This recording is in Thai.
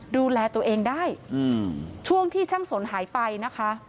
ดูแลตัวเองได้ช่วงที่ช่างสนหายไปนะคะ